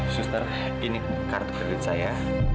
suster ini kartu kredit saya